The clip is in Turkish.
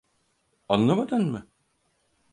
Anlamadın mı?